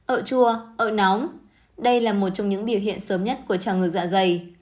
ở chua ở nóng đây là một trong những biểu hiện sớm nhất của trào ngược dạ dày